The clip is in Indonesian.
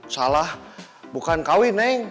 salah bukan kawin neng